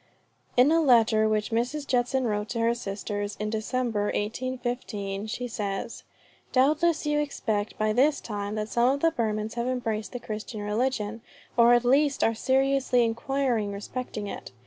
In a letter which Mrs. Judson wrote to her sisters in December, 1815, she says: "Doubtless you expect by this time that some of the Burmans have embraced the Christian religion, or at least are seriously inquiring respecting it."